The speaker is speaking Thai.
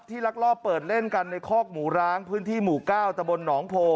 ลักลอบเปิดเล่นกันในคอกหมูร้างพื้นที่หมู่๙ตะบนหนองโพ